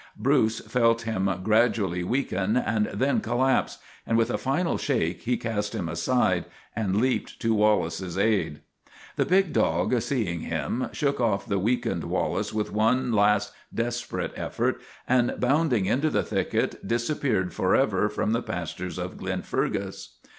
Bruce felt him gradually weaken and then collapse, and with a final shake he cast him aside and leaped to Wallace's aid. The big dog, seeing him, shook off the weakened Wallace with one last, desperate effort, and, bound ing into the thicket, disappeared forever from the pastures of Glenfergus.